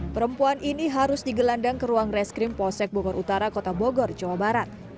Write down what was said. perempuan ini harus digelandang ke ruang reskrim polsek bogor utara kota bogor jawa barat